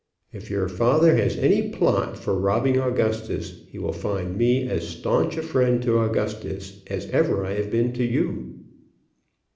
If your father has any plot for robbing Augustus, he will find me as staunch a friend to Augustus as ever I have been to you."